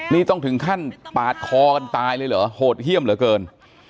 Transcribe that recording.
นี่ต้องถึงขั้นปาดคอกันตายเลยเหรอโหดเยี่ยมเหลือเกิน